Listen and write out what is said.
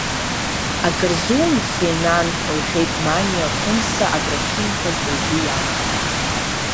Акырзумфеи, нан, — лҳәеит Маниа, Хәымса акрахьимфаз, лгәы иаланы.